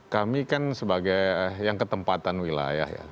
kami kan sebagai yang ketempatan wilayah ya